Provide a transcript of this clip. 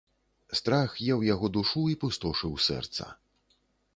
Страх еў яго душу і пустошыў сэрца.